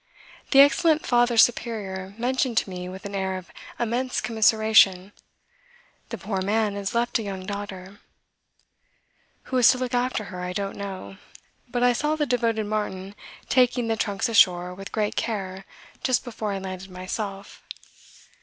The excellent Father Superior mentioned to me with an air of immense commiseration: "The poor man has left a young daughter." Who was to look after her I don't know, but I saw the devoted Martin taking the trunks ashore with great care just before I landed myself.